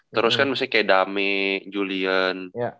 terus kan mesti kayak dame julian